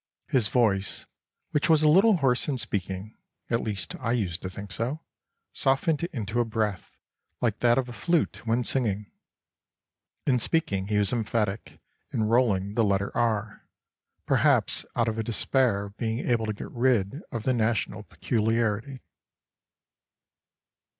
His voice, which was a little hoarse in speaking (at least I used to think so), softened into a breath, like that of a flute, when singing. In speaking he was emphatic in rolling the letter r, perhaps out of a despair of being able to get rid of the national peculiarity."